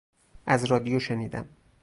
از رادیو شنیدم.